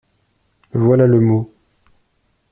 Voilà le mot!